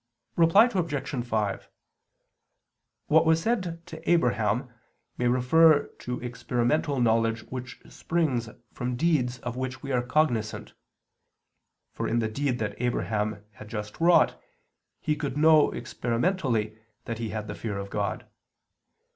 Reply Obj. 5: What was said to Abraham may refer to experimental knowledge which springs from deeds of which we are cognizant. For in the deed that Abraham had just wrought, he could know experimentally that he had the fear of God.